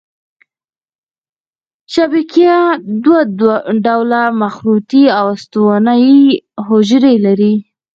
شبکیه دوه ډوله مخروطي او استوانه یي حجرې لري.